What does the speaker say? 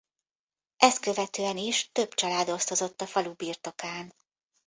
Ezt követően is több család osztozott a falu birtokán.